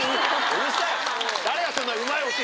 うるさい！